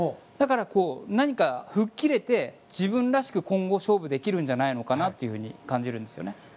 だから、何か吹っ切れて自分らしく、今後勝負できるんじゃないかと感じるんですよね。